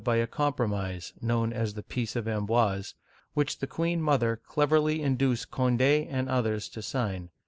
(1560 1574) 257 by a compromise (known as the peace of Amboise), which the queen mother cleverly induced Cond6 and others to sign.